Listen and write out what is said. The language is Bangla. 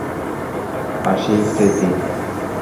আসি, ক্যাথি।